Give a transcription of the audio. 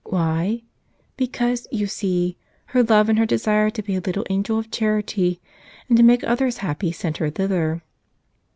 Why? Because, you see, her love and her desire to be a little angel of charity and to make others happy sent her thither.